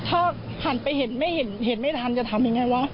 ถ้าหันไปเห็นไม่เห็นเห็นไม่ทันจะทำยังไงวะ